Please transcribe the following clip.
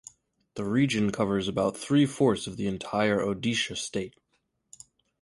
The region covers about three-fourths of the entire Odisha state.